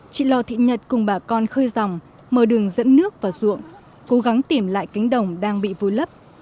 chị lò thị nhật cùng bà con khơi dòng mở đường dẫn nước vào ruộng cố gắng tìm lại cánh đồng đang bị vùi lấp